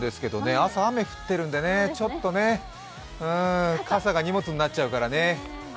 朝、雨降っているんでね、ちょっと、傘が荷物になっちゃうからね。